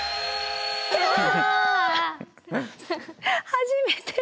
初めて。